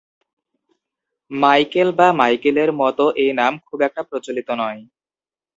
Michael বা মাইকেলের মতো এই নাম খুব একটা প্রচলিত নয়।